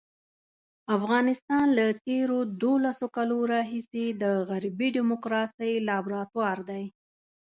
افغانستان له تېرو دولسو کالو راهیسې د غربي ډیموکراسۍ لابراتوار دی.